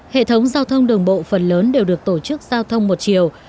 hệ thống giao thông đường bộ phần lớn đều được tổ chức giao thông một chiều